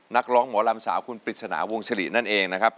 นักร้องหมอลำสาวคุณปริศนาวงศิรินั่นเองนะครับ